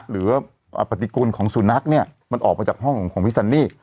หรือปฏิกูลของสุนัขเนี่ยมันออกมาจากห้องของพี่ซันนี่